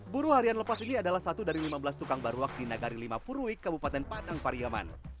buruh harian lepas ini adalah satu dari lima belas tukang barwak di nagari lima purwik kabupaten padang pariyaman